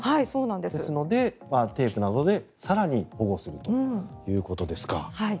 ですので、テープなどで更に保護するということですか。